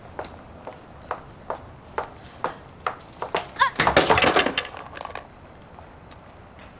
あっ！